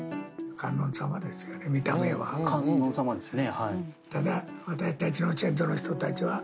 観音様ですよね。